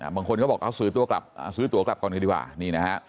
บางคนก็บอกเขาซื้อตัวกลับก่อนก็ดีกว่านี่นะฮะ